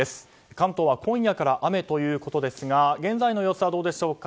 関東は今夜から雨ということですが現在の様子はどうでしょうか。